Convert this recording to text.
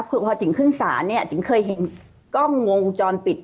คือพอจิ๋งขึ้นศาลเนี่ยจิ๋งเคยเห็นกล้องวงจรปิด